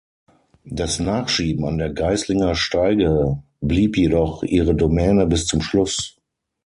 Das Nachschieben an der Geislinger Steige blieb jedoch ihre Domäne bis zum Schluss.